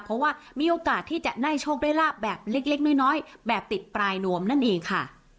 เพราะว่ามีโอกาสที่จะได้โชคได้ลาบแบบเล็กน้อยแบบติดปลายนวมนั่นเองค่ะ